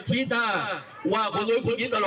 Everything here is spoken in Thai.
ชี้หน้าว่าคนรุ้ยคนริ้นตลอด